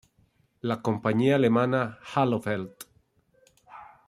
La compañía alemana "Hallo Welt!